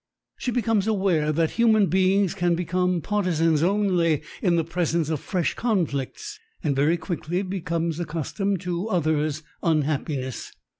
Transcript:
She becomes aware that human beings can become partisans only in the presence of fresh conflicts and very quickly become accustomed to others' unhappiness.